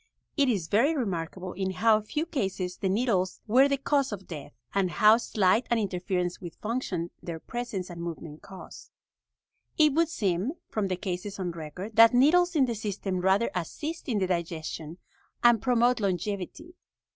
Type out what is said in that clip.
It is very remarkable in how few cases the needles were the cause of death, and how slight an interference with function their presence and movement cause." It would seem, from the cases on record, that needles in the system rather assist in the digestion and promote longevity.